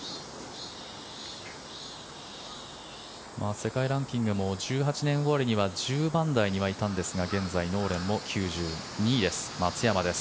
世界ランキングでも２０１８年ごろには１０番台にはいたんですが現在ノーレンも９２位です松山です。